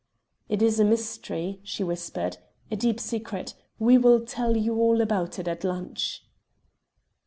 "It is a mystery," she whispered, "a deep secret. We will tell you all about it at lunch."